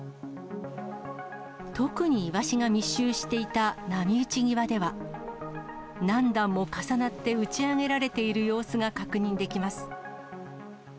特にイワシが密集していた波打ち際では、何段も重なって打ち上げられている様子が確認できます。